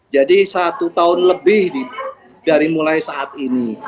jadi satu tahun lebih dari mulai saat ini